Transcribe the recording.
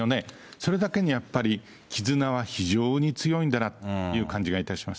それだけにやっぱり、絆は非常に強いんだなという感じがいたします。